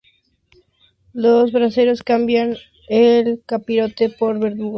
Los braceros cambian el capirote por verdugo.